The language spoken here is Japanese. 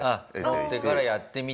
取ってからやってみて。